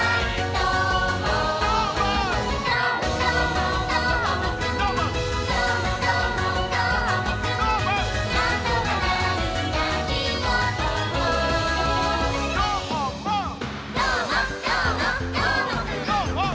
「どーもどーもどーもくん！」